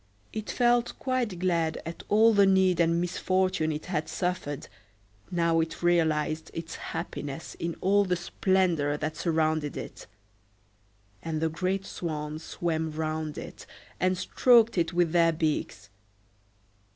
It felt quite glad at all the need and misfortune it had suffered, now it realized its happiness in all the splendor that surrounded it. And the great swans swam round it, and stroked it with their beaks.